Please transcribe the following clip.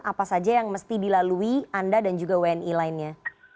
apa saja yang mesti dilalui anda dan juga wni lainnya